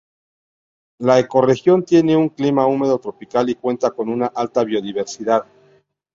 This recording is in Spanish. La ecorregión tiene un clima húmedo tropical y cuenta con una alta biodiversidad.